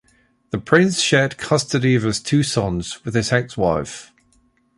The prince shared custody of his two sons with his ex-wife.